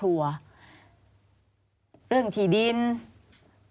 แล้วเขาสร้างเองว่าห้ามเข้าใกล้ลูก